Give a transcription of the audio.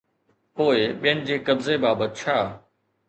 پوءِ ٻين جي قبضي بابت ڇا؟